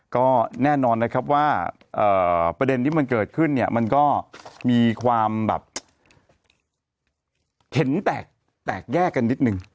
ก็แน่นอนนะครับว่าประเด็นที่มันเกิดขึ้นเนี่ยมันก็มีความแบบเห็นแตกแยกกันนิดนึง